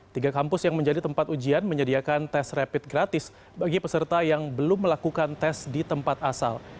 tiga kampus yang menjadi tempat ujian menyediakan tes rapid gratis bagi peserta yang belum melakukan tes di tempat asal